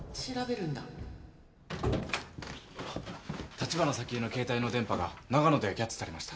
橘沙希江の携帯の電波が長野でキャッチされました。